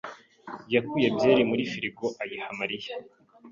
yakuye byeri muri firigo ayiha Mariya.